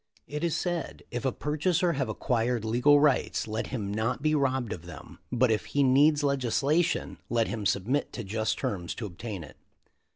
"It is said, if a purchaser have acquired legal rights, let him not be robbed of them, but if he needs legislation let him submit to just terms to ob tain it.